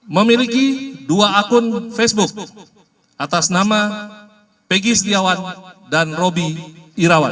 memiliki dua akun facebook atas nama pegi siawat dan robby irawat